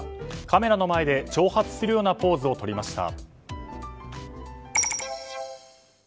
カメラの前で挑発するようなポーズをとりました。